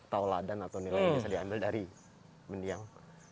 tauladan atau nilai yang bisa diambil dari mendiang